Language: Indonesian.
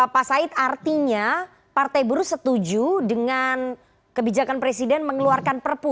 pak said artinya partai buruh setuju dengan kebijakan presiden mengeluarkan perpu